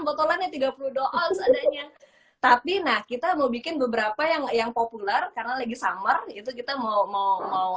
botolannya tiga puluh dua tapi nah kita mau bikin beberapa yang yang populer karena lagi summer itu kita mau